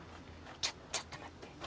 ちょちょっと待って。